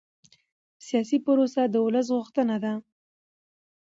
سیاسي پروسه د ولس غوښتنه ده